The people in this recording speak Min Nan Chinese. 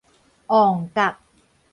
旺角